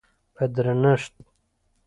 په درنښت،